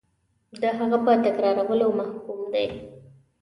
د هغه په تکرارولو محکوم دی.